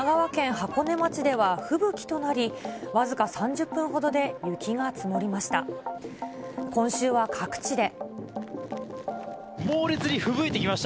箱根町では吹雪となり、僅か３０分ほどで雪が積もりました。